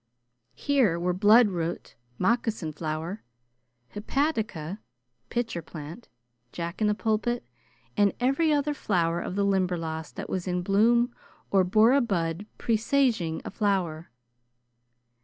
Here were blood root, moccasin flower, hepatica, pitcher plant, Jack in the pulpit, and every other flower of the Limberlost that was in bloom or bore a bud presaging a flower.